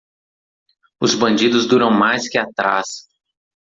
Os bandidos duram mais que a traça.